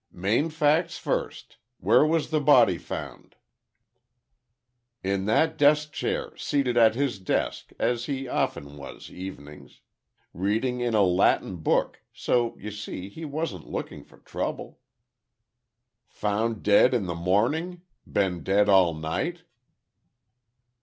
"Main facts first. Where was the body found?" "In that desk chair, seated at his desk, as he often was evenings. Reading in a Latin book, so you see, he wasn't looking for trouble." "Found dead in the morning? Been dead all night?"